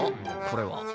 これは。